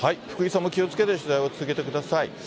福井さんも気をつけて取材を続けてください。